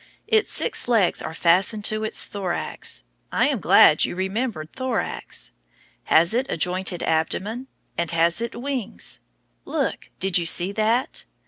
Its six legs are fastened to its thorax. I am glad you remembered thorax. Has it a jointed abdomen? and has it wings? Look! did you see that?